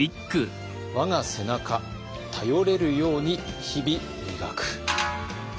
「我が背中頼れるように日々磨く」。